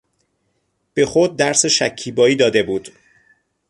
به خود درس شکیبایی داده بود.